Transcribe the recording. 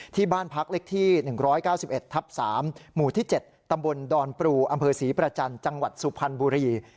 ที่บ้านพักเล็กที่๑๙๑ทับ๓หมู่๗ตดปรูอศรีประจันทร์จังหวัดสุพรรณบุรี